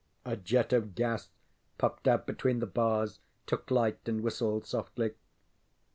A jet of gas puffed out between the bars, took light and whistled softly.